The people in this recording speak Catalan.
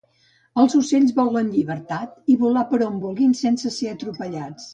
Els ocells volen llibertat i volar per on vulguin sense ser atropellats